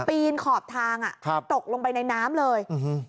ปีนขอบทางอ่ะครับตกลงไปในน้ำเลย